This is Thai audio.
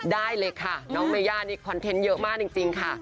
ได้เลยค่ะน้องเมย่านี่คอนเทนต์เยอะมากจริงค่ะ